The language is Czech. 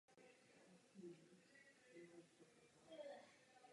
Byly také prokázány určité léčebné účinky na trávení.